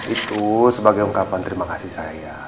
itu sebagai ungkapan terima kasih saya